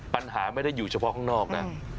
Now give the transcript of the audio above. ปัญหาไม่ได้อยู่เฉพาะข้างนอกนะ